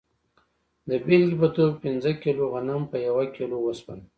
د بیلګې په توګه پنځه کیلو غنم په یوه کیلو اوسپنه.